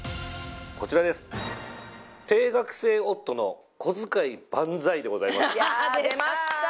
こちらです「定額制夫のこづかい万歳」でございますや出ました